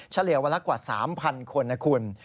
เฉลี่ยวันละกว่า๓๐๐คนนะคุณ